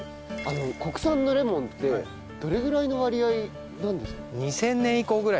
国産のレモンってどれぐらいの割合なんですか？